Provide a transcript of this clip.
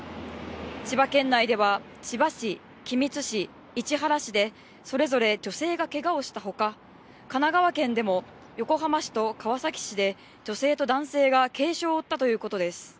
千葉県内では、千葉市、君津市、市原市でそれぞれ女性がけがをしたほか、神奈川県でも、横浜市と川崎市で女性と男性が軽傷を負ったということです。